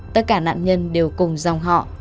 tất cả nạn nhân đều cùng dòng họ